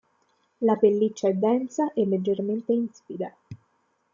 La pelliccia è densa e leggermente ispida.